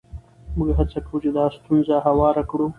موږ هڅه کوو چې دا ستونزه هواره کړو.